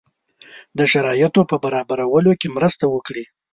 د شرایطو په برابرولو کې مرسته وکړي.